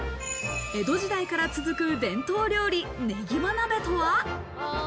江戸時代から続く伝統料理、ねぎま鍋とは？